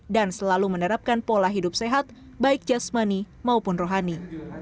dan selalu menerapkan pola hidup sehat baik jasmani maupun rohani